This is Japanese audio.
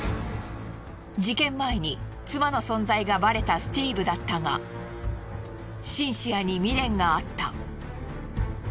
事件前に妻の存在がバレたスティーブだったがシンシアに未練があった。